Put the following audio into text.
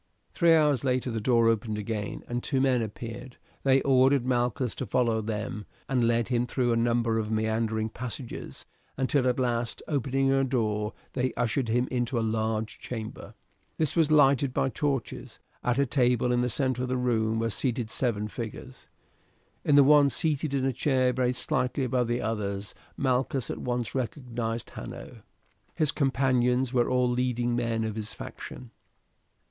Three hours later the door again opened, and two men appeared. They ordered Malchus to follow them, and led him through a number of meandering passages, until at last, opening a door, they ushered him into a large chamber. This was lighted by torches. At a table in the centre of the room were seated seven figures. In the one seated in a chair very slightly above the others Malchus at once recognized Hanno. His companions were all leading men of his faction.